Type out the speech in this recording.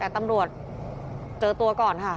แต่ตำรวจเจอตัวก่อนค่ะ